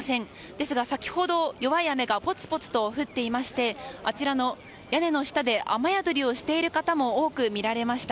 ですが、先ほど弱い雨がぽつぽつと降っていましてあちらの屋根の下で雨宿りをしている方も多く見られました。